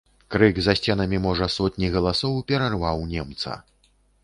Крык за сценамі можа сотні галасоў перарваў немца.